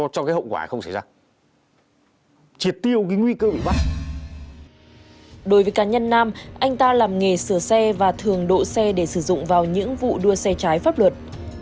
đối với cá nhân nam anh ta làm nghề sửa xe và thường độ xe để sử dụng vào những vụ đua xe trái pháp luật